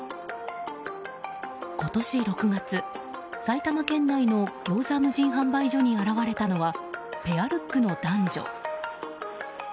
今年６月、埼玉県内のギョーザ無人販売所に現れたのはペアルックの男女。